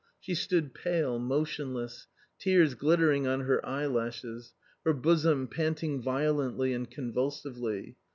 She stood pale, motionless, tears glittering on her eye lashes, her bosom panting violently and convulsively.